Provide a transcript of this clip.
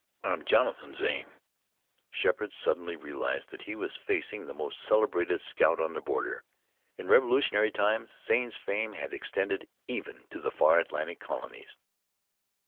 "I am Jonathan Zane." Sheppard suddenly realized that he was facing the most celebrated scout on the border. In Revolutionary times Zane's fame had extended even to the far Atlantic Colonies.